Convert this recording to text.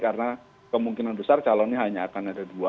karena kemungkinan besar calonnya hanya akan ada dua